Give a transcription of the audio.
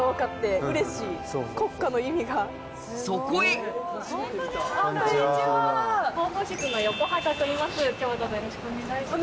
そこへ今日はどうぞよろしくお願いします。